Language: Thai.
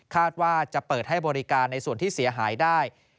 ว่าจะเปิดให้บริการในส่วนที่เสียหายได้